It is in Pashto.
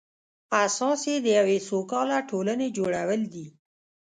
اساس یې د یوې سوکاله ټولنې جوړول دي.